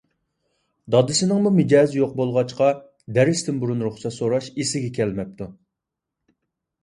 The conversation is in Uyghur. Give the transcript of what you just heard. دادىسىنىڭمۇ مىجەزى يوق بولغاچقا، دەرستىن بۇرۇن رۇخسەت سوراش ئېسىگە كەلمەپتۇ.